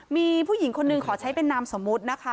มีผู้หญิงคนหนึ่งขอใช้เป็นนามสมมุตินะคะ